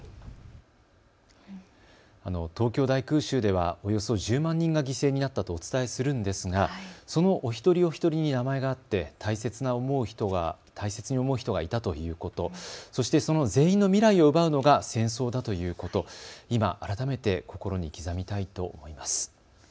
東京大空襲ではおよそ１０万人が犠牲になったとお伝えするんですが、そのお一人お一人に名前があって大切に思う人がいたということ、そしてその全員の未来を奪うのが戦争だということ、今改めて心に刻みたいと思います。